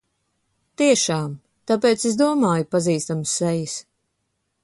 Tiešām! Tāpēc es domāju pazīstamas sejas.